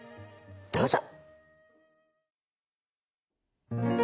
どうぞ。